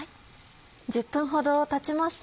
１０分ほどたちました。